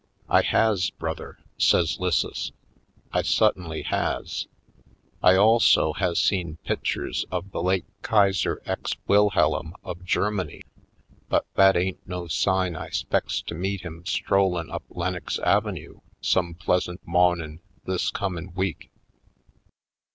"I has, Brother," says 'Lisses; "I suttinly has. I also has seen pitchers of the late Kaiser Ex Wilhellum of Germany, but that ain't no sign I 'spects to meet him strol lin' up Lenox Avenue some pleasant mawn in' this comin' week."